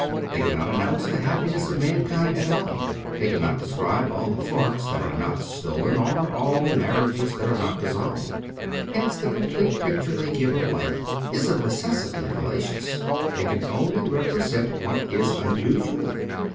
They cannot announce the happiness of mankind at all. They cannot describe all the forks that are not stolen, or all the marriages that are not dissolved. Hence the complete picture they give of life is of necessity fallacious : they can only represent what is unusual.